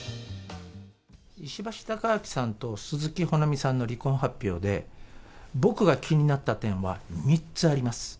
石橋貴明さんと鈴木保奈美さんの離婚発表で、僕が気になった点は３つあります。